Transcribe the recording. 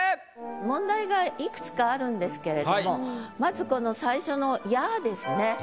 問題がいくつかあるんですけれどもまずこの最初の「や」ですね。